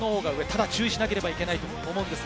ただ、注意しなければいけないと思います。